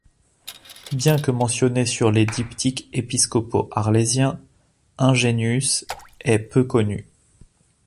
Bien que mentionné sur les diptyques épiscopaux arlésiens, Ingenuus est peu connu.